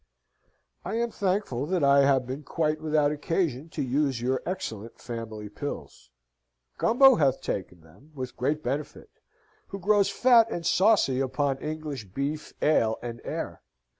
"I am thankful that I have been quite without occasion to use your excellent family pills. Gumbo hath taken them with great benefit, who grows fat and saucy upon English beef, ale, and air.